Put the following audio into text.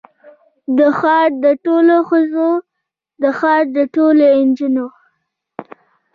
د ښار د ټولو ښځو، د ښار د ټولو نجونو